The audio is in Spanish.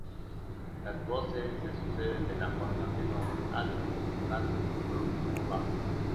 Las voces se suceden de la forma tenor, alto, soprano, y por último, bajo.